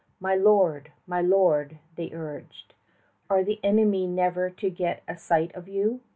"My lord, my lord," they urged, "are the enemy never to get a sight of you?